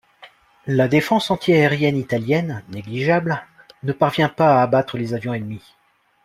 La défense anti-aérienne italienne, négligeable, ne parvient pas à abattre les avions ennemis.